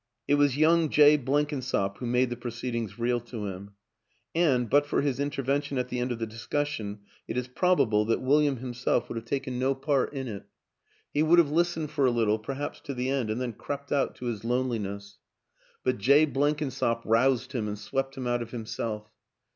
It was young Jay Blenkinsop who made the proceedings real to him; and, but for his interven tion at the end of the discussion, it is probable that William himself would have taken no part in WILLIAM AN ENGLISHMAN 221 it. He would have listened for a little, perhaps to the end, and then crept out to his loneliness; but Jay Blenkinsop roused him and swept him out of himself.